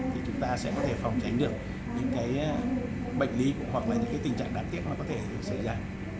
thì chúng ta sẽ có thể phòng tránh được những cái bệnh lý hoặc là những cái tình trạng đáng tiếc mà có thể xảy ra